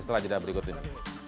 setelah jadwal berikut ini